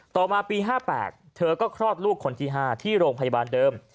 ต่อมาปี๕๘เธอก็คลอดลูกคนที่๕ที่โรงพยาบาลเดิม